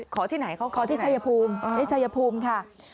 ขอที่ไหนเขาขอที่จะจะภูมิแต่จะจะภูมิค่ะ